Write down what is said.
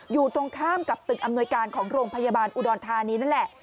อยู่ตรงข้ามกับตึกอำนวยการของโรงพยาบาลอุดรธานีนั่นแหละ